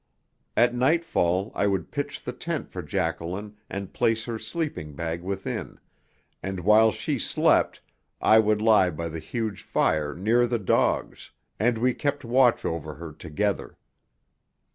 At nightfall I would pitch the tent for Jacqueline and place her sleeping bag within, and while she slept I would lie by the huge fire near the dogs, and we kept watch over her together.